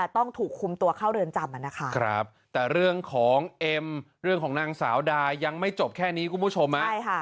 แต่เรื่องของเอ็มเรื่องของนางสาวดายังไม่จบแค่นี้คุณผู้ชม